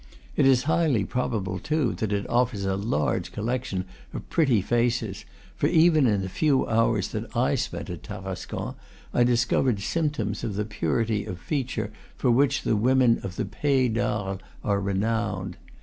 It is highly probable, too, that it offers a large collection of pretty faces; for even in the few hours that I spent at Tarascon I discovered symptoms of the purity of feature for which the women of the pays d'Arles are renowned.